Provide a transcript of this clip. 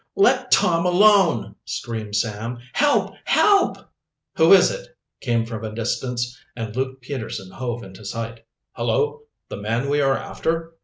"Let Tom alone," screamed Sam. "Help! help!" "Who is it?" came from a distance, and Luke Peterson hove into sight. "Hullo! the man we are after."